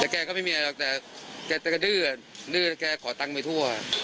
แต่แกก็ไม่มีอะไรหรอกแต่แกจะกระดื้อดื้อแล้วแกขอตังค์ไปทั่ว